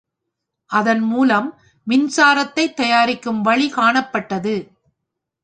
அதன் மூலம் மின்சாரத்தைத் தயாரிக்கும் வழி காணப்பட்டது.